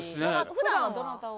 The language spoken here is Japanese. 普段はどなたを？